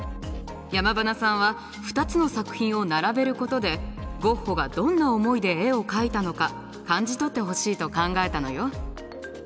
山塙さんは２つの作品を並べることでゴッホがどんな思いで絵を描いたのか感じ取ってほしいと考えたのよ。